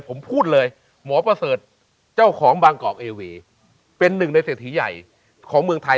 ผมพูดเลยหมอประเสริฐเจ้าของบางกอกเอวีเป็นหนึ่งในเศรษฐีใหญ่ของเมืองไทย